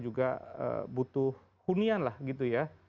juga butuh hunian lah gitu ya